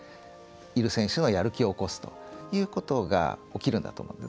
いる選手のやる気を起こすということがおきるんだと思うんです。